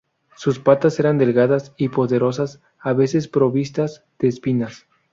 Sus patas eran delgadas y poderosas, a veces provistas de espinas.